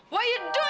mami apa itu benar